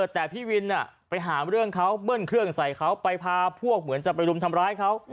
แต่พี่วินไปหาเรื่องเขาเบิ้ลเครื่องใส่เขาไปพาพวกเหมือนจะไปรุมทำร้ายเขา